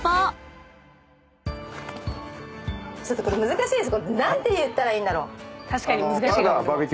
ちょっとこれ難しいです。